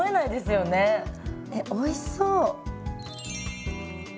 えおいしそう。